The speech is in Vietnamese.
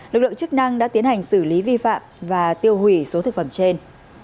lực lượng chức năng đã tiến hành xử lý vi phạm và tiêu hủy số thực phẩm trên